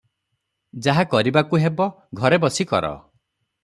ଯାହା କରିବାକୁ ହେବ, ଘରେ ବସି କର ।